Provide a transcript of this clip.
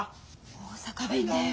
大阪弁だよ。